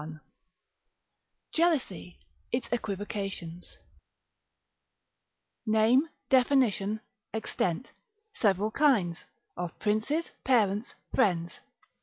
I.—_Jealousy, its Equivocations, Name, Definition, Extent, several kinds; of Princes, Parents, Friends.